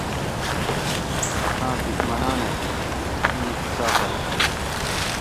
اساں دُشمنانہ ای شِیٹ چاپر کِیر